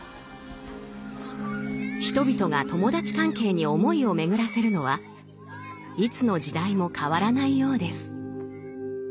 人々が友達関係に思いを巡らせるのはいつの時代も変わらないようです。